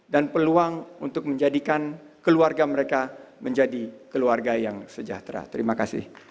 dan peluang untuk menjadikan keluarga mereka menjadi keluarga yang sejahtera